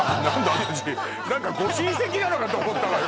私何かご親戚なのかと思ったわよ